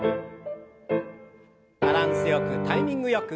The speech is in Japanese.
バランスよくタイミングよく。